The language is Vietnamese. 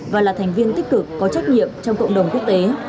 và là thành viên tích cực có trách nhiệm trong cộng đồng quốc tế